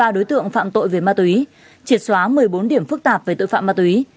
một trăm sáu mươi ba đối tượng phạm tội về ma túy triệt xóa một mươi bốn điểm phức tạp về tội phạm ma túy